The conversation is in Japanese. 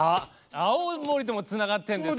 青森ともつながってるんですか？